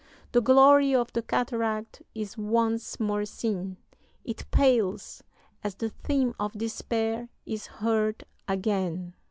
"The glory of the cataract is once more seen. It pales as the theme of despair is heard again."